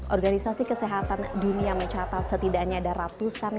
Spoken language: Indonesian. organisasi kesehatan dunia mencatat setidaknya ada ratusan